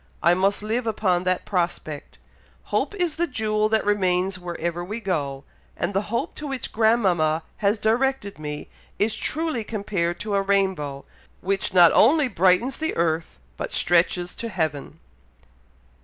I must live upon that prospect. Hope is the jewel that remains wherever we go, and the hope to which grandmama has directed me, is truly compared to a rainbow, which not only brightens the earth, but stretches to heaven."